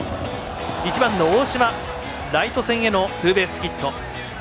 １番の大島ライト線へのツーベースヒット。